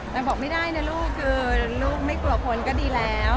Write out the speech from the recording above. แต่บอกไม่ได้นะลูกคือลูกไม่กลัวคนก็ดีแล้ว